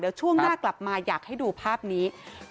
เดี๋ยวช่วงหน้ากลับมาอยากให้ดูภาพนี้